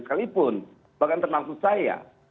sekalipun bahkan termasuk saya